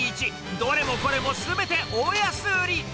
どれもこれもすべて大安売り。